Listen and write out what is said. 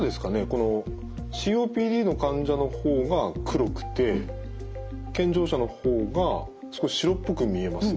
このＣＯＰＤの患者の方が黒くて健常者の方が少し白っぽく見えますね。